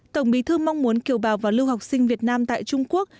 tổng bí thư mong muốn kiều bào và lưu học sinh việt nam tại trung quốc